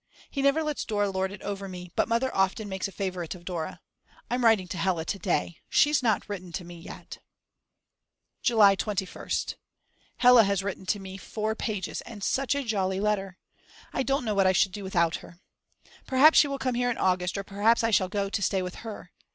He never lets Dora lord it over me, but Mother often makes a favourite of Dora. I'm writing to Hella to day. She's not written to me yet. July 21st. Hella has written to me, 4 pages, and such a jolly letter. I don't know what I should do without her! Perhaps she will come here in August or perhaps I shall go to stay with her.